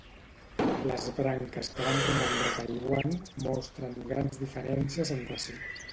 Les branques que van romandre a Taiwan mostren grans diferències entre si.